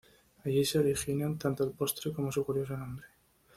Allí se originan tanto el postre como su curioso nombre.